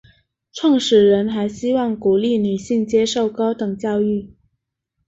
创始人还希望鼓励女性接受高等教育。